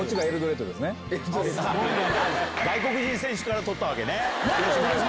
外国人選手から取ったわけね。